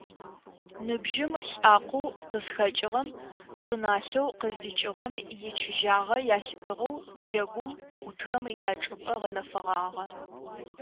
Ныбжьым , лӏакъоу къызхэкӏыгъэм, чӏыналъэу къыздикӏыгъэм ичыжьагъэ ялъытыгъэу джэгум ӏутхэм ячӏыпӏэ гъэнэфэгъагъэ.